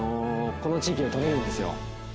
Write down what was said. この地域でとれるんですよ。